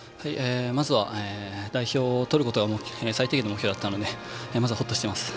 まずは代表を取ることが最低限の目標だったのでほっとしています。